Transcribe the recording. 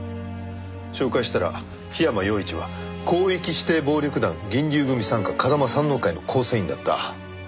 照会したら檜山与一は広域指定暴力団銀龍組傘下風間燦王会の構成員だった。